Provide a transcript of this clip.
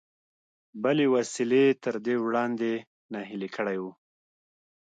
بلې وسيلې تر دې وړاندې ناهيلی کړی و.